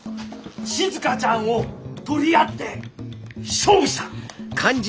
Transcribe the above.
静ちゃんを取り合って勝負した！